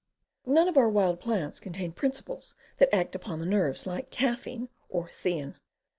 None of our wild plants contain principles that act upon the nerves like caffein or thein.